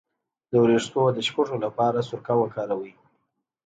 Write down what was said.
د ویښتو د شپږو لپاره سرکه وکاروئ